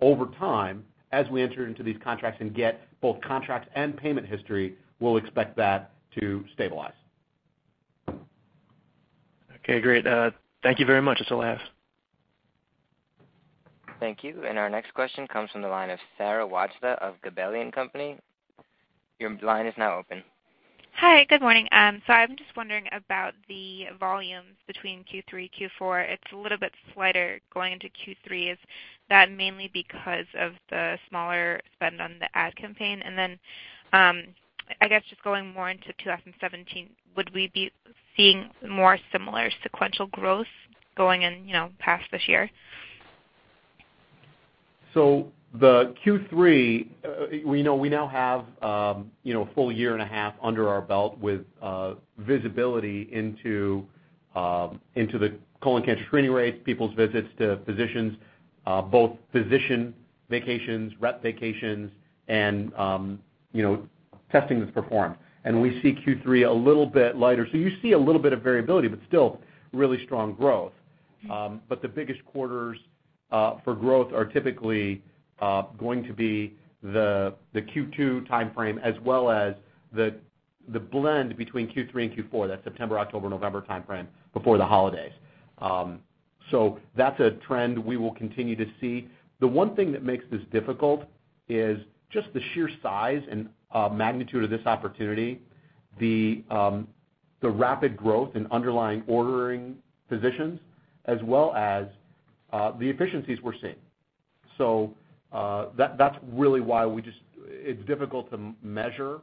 [SPEAKER 2] Over time, as we enter into these contracts and get both contracts and payment history, we'll expect that to stabilize.
[SPEAKER 13] Okay. Great. Thank you very much. That's all I have.
[SPEAKER 1] Thank you. Our next question comes from the line of Sarah Wajda of Gabelli & Company. Your line is now open.
[SPEAKER 14] Hi. Good morning. I'm just wondering about the volumes between Q3 and Q4. It's a little bit slider going into Q3. Is that mainly because of the smaller spend on the ad campaign? I guess just going more into 2017, would we be seeing more similar sequential growth going in past this year?
[SPEAKER 2] Q3, we know we now have a full year and a half under our belt with visibility into the colon cancer screening rates, people's visits to physicians, both physician vacations, rep vacations, and testing that's performed. We see Q3 a little bit lighter. You see a little bit of variability, but still really strong growth. The biggest quarters for growth are typically going to be the Q2 timeframe as well as the blend between Q3 and Q4, that September, October, November timeframe before the holidays. That's a trend we will continue to see. The one thing that makes this difficult is just the sheer size and magnitude of this opportunity, the rapid growth in underlying ordering physicians, as well as the efficiencies we're seeing. That's really why it's difficult to measure.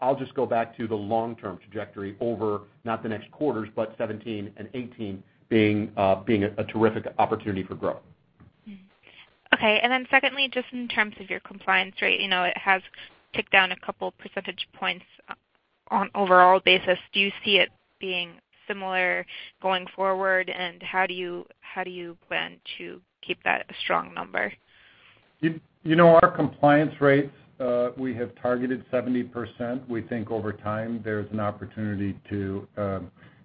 [SPEAKER 2] I'll just go back to the long-term trajectory over not the next quarters, but 2017 and 2018 being a terrific opportunity for growth.
[SPEAKER 14] Okay. Secondly, just in terms of your compliance rate, it has ticked down a couple percentage points on an overall basis. Do you see it being similar going forward? How do you plan to keep that a strong number?
[SPEAKER 2] Our compliance rates, we have targeted 70%. We think over time, there's an opportunity to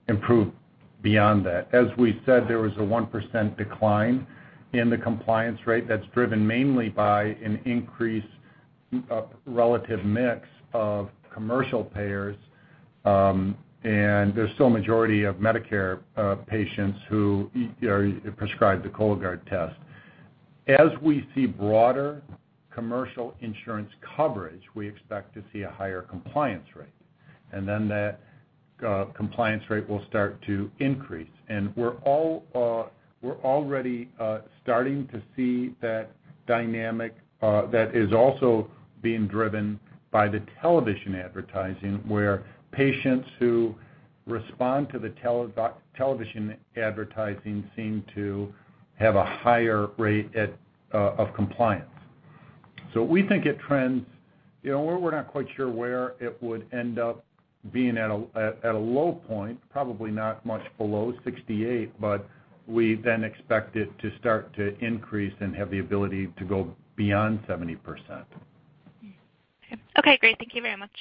[SPEAKER 2] improve beyond that. As we said, there was a 1% decline in the compliance rate that's driven mainly by an increased relative mix of commercial payers. There's still a majority of Medicare patients who are prescribed the Cologuard test. As we see broader commercial insurance coverage, we expect to see a higher compliance rate. That compliance rate will start to increase. We're already starting to see that dynamic that is also being driven by the television advertising where patients who respond to the television advertising seem to have a higher rate of compliance. We think it trends, we're not quite sure where it would end up being at a low point, probably not much below 68%. We then expect it to start to increase and have the ability to go beyond 70%.
[SPEAKER 14] Okay. Great. Thank you very much.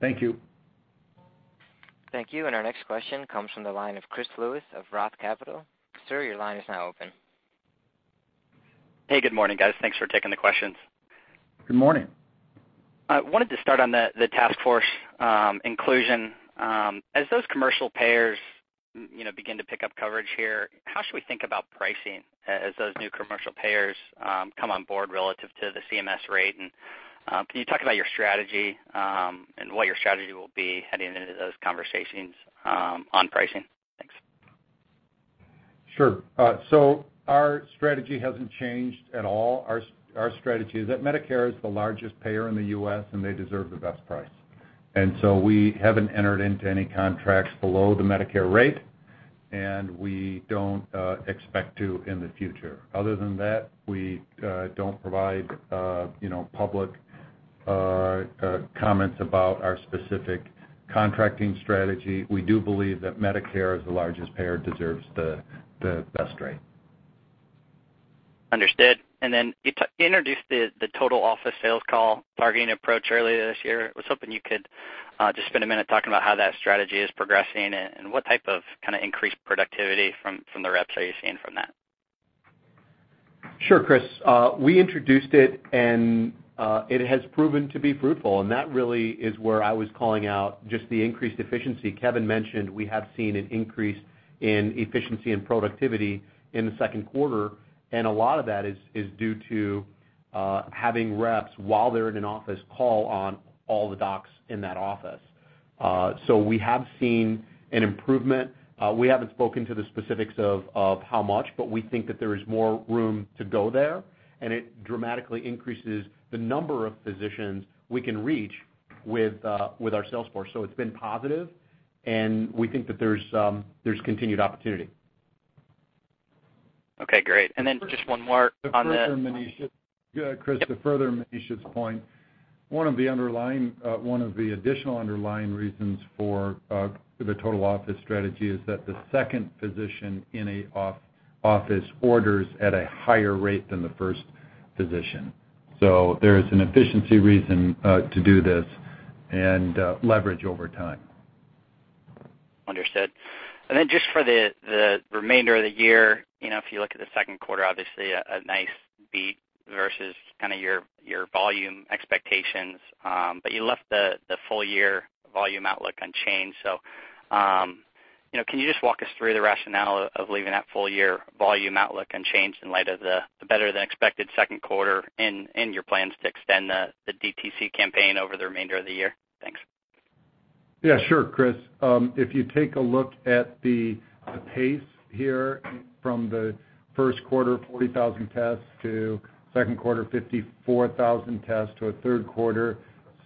[SPEAKER 2] Thank you.
[SPEAKER 1] Thank you. Our next question comes from the line of Chris Lewis of Roth Capital. Sir, your line is now open.
[SPEAKER 12] Hey, good morning, guys. Thanks for taking the questions.
[SPEAKER 2] Good morning.
[SPEAKER 12] I wanted to start on the Task Force inclusion. As those commercial payers begin to pick up coverage here, how should we think about pricing as those new commercial payers come on board relative to the CMS rate? Can you talk about your strategy and what your strategy will be heading into those conversations on pricing? Thanks.
[SPEAKER 2] Sure. Our strategy hasn't changed at all. Our strategy is that Medicare is the largest payer in the US, and they deserve the best price. We haven't entered into any contracts below the Medicare rate, and we don't expect to in the future. Other than that, we don't provide public comments about our specific contracting strategy. We do believe that Medicare is the largest payer and deserves the best rate.
[SPEAKER 12] Understood. You introduced the total office sales call targeting approach earlier this year. I was hoping you could just spend a minute talking about how that strategy is progressing and what type of kind of increased productivity from the reps are you seeing from that?
[SPEAKER 7] Sure, Chris. We introduced it, and it has proven to be fruitful. That really is where I was calling out just the increased efficiency. Kevin mentioned we have seen an increase in efficiency and productivity in the second quarter. A lot of that is due to having reps while they're in an office call on all the docs in that office. We have seen an improvement. We haven't spoken to the specifics of how much, but we think that there is more room to go there. It dramatically increases the number of physicians we can reach with our Salesforce. It's been positive, and we think that there's continued opportunity.
[SPEAKER 12] Okay. Great. And then just one more on the.
[SPEAKER 2] To further Maneesh's point, one of the additional underlying reasons for the total office strategy is that the second physician in an office orders at a higher rate than the first physician. There is an efficiency reason to do this and leverage over time.
[SPEAKER 12] Understood. And then just for the remainder of the year, if you look at the second quarter, obviously a nice beat versus kind of your volume expectations. But you left the full-year volume outlook unchanged. So can you just walk us through the rationale of leaving that full-year volume outlook unchanged in light of the better-than-expected second quarter and your plans to extend the DTC campaign over the remainder of the year? Thanks.
[SPEAKER 2] Yeah, sure, Chris. If you take a look at the pace here from the first quarter, 40,000 tests to second quarter, 54,000 tests to a third quarter,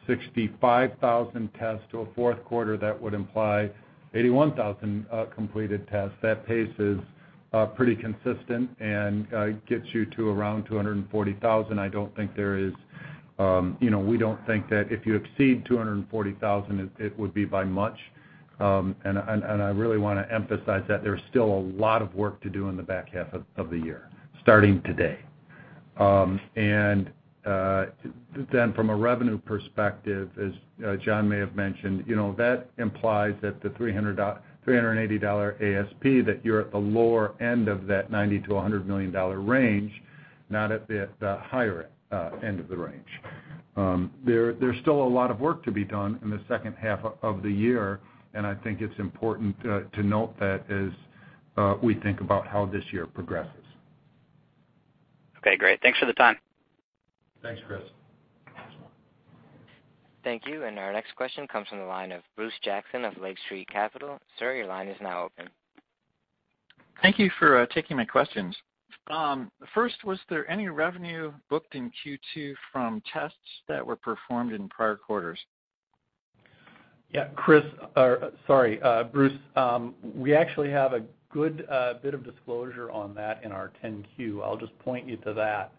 [SPEAKER 2] 65,000 tests to a fourth quarter, that would imply 81,000 completed tests. That pace is pretty consistent and gets you to around 240,000. I don't think there is, we don't think that if you exceed 240,000, it would be by much. I really want to emphasize that there's still a lot of work to do in the back half of the year starting today. From a revenue perspective, as John may have mentioned, that implies that the $380 ASP, that you're at the lower end of that $90 million-$100 million range, not at the higher end of the range. There's still a lot of work to be done in the second half of the year. I think it's important to note that as we think about how this year progresses.
[SPEAKER 12] Okay. Great. Thanks for the time.
[SPEAKER 2] Thanks, Chris.
[SPEAKER 1] Thank you. Our next question comes from the line of Bruce Jackson of Lake Street Capital. Sir, your line is now open.
[SPEAKER 15] Thank you for taking my questions. First, was there any revenue booked in Q2 from tests that were performed in prior quarters?
[SPEAKER 2] Yeah, Chris. Sorry, Bruce. We actually have a good bit of disclosure on that in our 10Q. I'll just point you to that.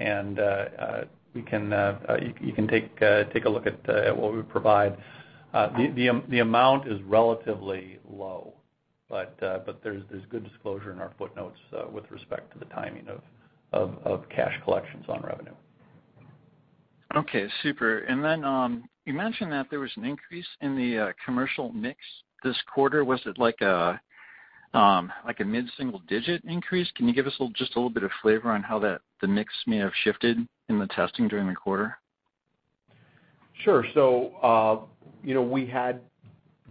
[SPEAKER 2] You can take a look at what we provide. The amount is relatively low, but there's good disclosure in our footnotes with respect to the timing of cash collections on revenue.
[SPEAKER 15] Okay. Super. You mentioned that there was an increase in the commercial mix this quarter. Was it like a mid-single-digit increase? Can you give us just a little bit of flavor on how the mix may have shifted in the testing during the quarter?
[SPEAKER 2] Sure. We had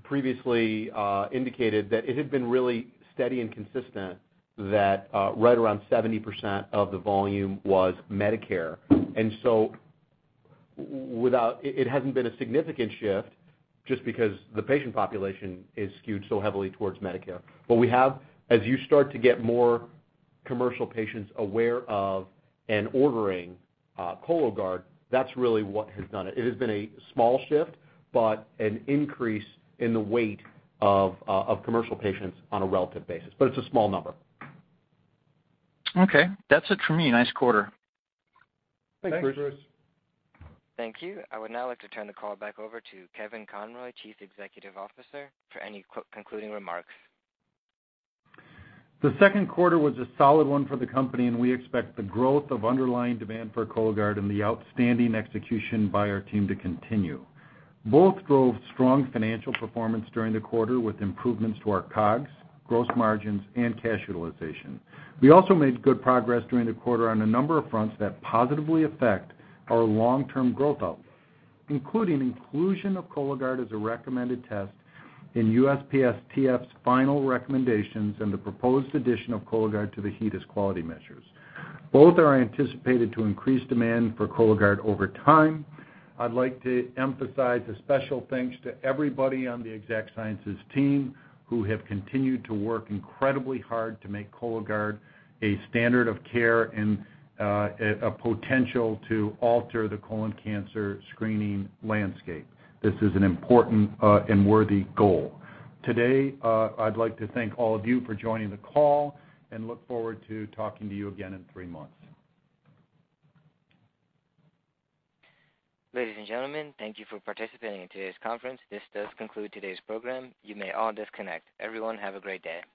[SPEAKER 2] previously indicated that it had been really steady and consistent that right around 70% of the volume was Medicare. It has not been a significant shift just because the patient population is skewed so heavily towards Medicare. We have, as you start to get more commercial patients aware of and ordering Cologuard, that is really what has done it. It has been a small shift, but an increase in the weight of commercial patients on a relative basis. It is a small number.
[SPEAKER 15] Okay. That's it for me. Nice quarter.
[SPEAKER 2] Thanks, Chris.
[SPEAKER 1] Thank you. I would now like to turn the call back over to Kevin Conroy, Chief Executive Officer, for any concluding remarks.
[SPEAKER 3] The second quarter was a solid one for the company, and we expect the growth of underlying demand for Cologuard and the outstanding execution by our team to continue. Both drove strong financial performance during the quarter with improvements to our COGS, gross margins, and cash utilization. We also made good progress during the quarter on a number of fronts that positively affect our long-term growth outlook, including inclusion of Cologuard as a recommended test in USPSTF's final recommendations and the proposed addition of Cologuard to the HEDIS quality measures. Both are anticipated to increase demand for Cologuard over time. I'd like to emphasize a special thanks to everybody on the Exact Sciences team who have continued to work incredibly hard to make Cologuard a standard of care and a potential to alter the colon cancer screening landscape. This is an important and worthy goal.
[SPEAKER 1] Today, I'd like to thank all of you for joining the call and look forward to talking to you again in three months. Ladies and gentlemen, thank you for participating in today's conference. This does conclude today's program. You may all disconnect. Everyone, have a great day.